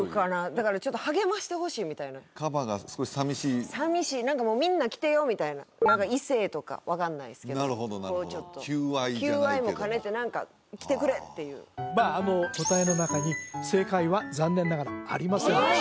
だからちょっと励ましてほしいみたいなカバが少し寂しい寂しい何かもうみんな来てよみたいな異性とか分かんないですけどなるほどなるほど求愛じゃないけど求愛も兼ねて何か来てくれっていうまあ答えの中に正解は残念ながらありませんでした